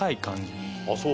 あっそう？